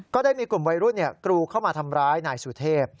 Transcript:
ได้มีกลุ่มวัยรุ่นกรูเข้ามาทำร้ายนายสุเทพ